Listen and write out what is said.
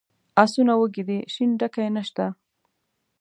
آسونه وږي دي شین ډکی نشته.